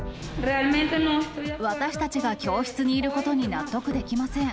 私たちが教室にいることに納得できません。